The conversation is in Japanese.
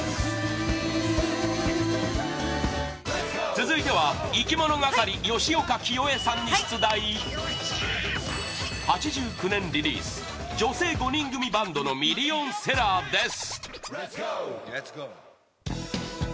続いては、いきものがかり吉岡聖恵さんに出題８９年リリース女性５人組バンドのミリオンセラーです